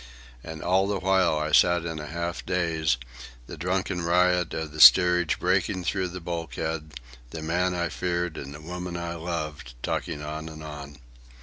And all the while I sat in a half daze, the drunken riot of the steerage breaking through the bulkhead, the man I feared and the woman I loved talking on and on.